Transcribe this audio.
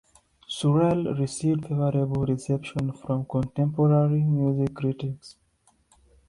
"Surreal" received favorable reception from contemporary music critics.